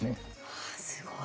はあすごい。